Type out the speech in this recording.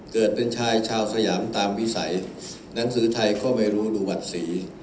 เกิดเป็นชายชาวสยามตามวิสัยหนังสือไทยก็ไม่รู้รูหวัดศรี